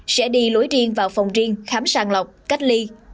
sẽ đi lối riêng vào phòng riêng khám sàng lọc cách ly